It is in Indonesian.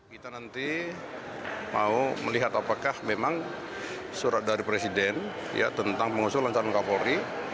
kita nanti mau melihat apakah memang surat dari presiden tentang pengusulan calon kapolri